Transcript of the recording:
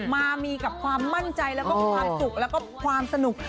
มามีกับความมั่นใจแล้วก็ความสุขแล้วก็ความสนุก